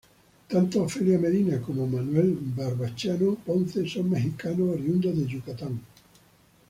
Tanto Ofelia Medina, como Manuel Barbachano Ponce son mexicanos, oriundos de Yucatán.